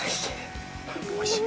おいしい。